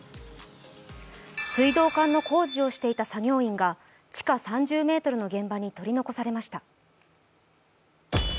水道管の工事をしていた作業員が地下３０ｍの現場に取り残されました。